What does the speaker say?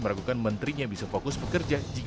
meragukan menterinya bisa fokus bekerja di partai politik